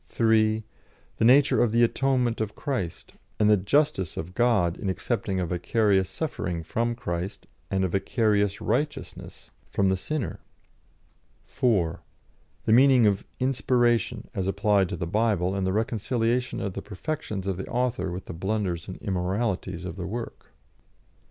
(3) The nature of the atonement of Christ, and the "justice" of God in accepting a vicarious suffering from Christ, and a vicarious righteousness from the sinner. (4) The meaning of "inspiration" as applied to the Bible, and the reconciliation of the perfections of the author with the blunders and immoralities of the work.